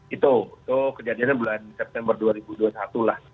itu itu kejadiannya bulan september dua ribu dua puluh satu lah